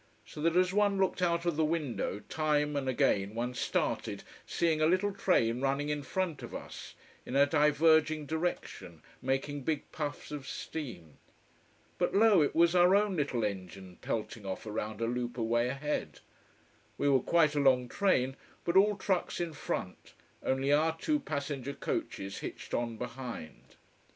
So that as one looked out of the window, time and again one started, seeing a little train running in front of us, in a diverging direction, making big puffs of steam. But lo, it was our own little engine pelting off around a loop away ahead. We were quite a long train, but all trucks in front, only our two passenger coaches hitched on behind.